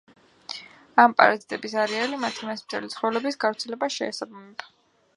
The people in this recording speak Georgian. ამ პარაზიტების არეალი მათი მასპინძელი ცხოველის გავრცელებას შეესაბამება.